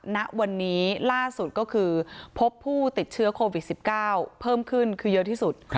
ณวันนี้ล่าสุดก็คือพบผู้ติดเชื้อโควิด๑๙เพิ่มขึ้นคือเยอะที่สุด